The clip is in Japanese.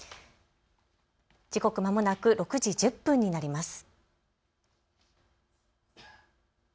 時刻まもなく６時１０分になります。